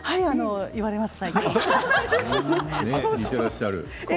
言われます、最近。